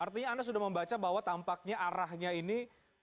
artinya anda sudah membaca bahwa tampaknya arahnya ini